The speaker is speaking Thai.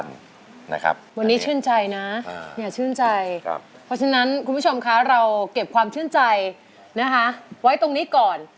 แล้วเราเก็บความชื่นใจนะฮะไว้ตรงนี้ก่อน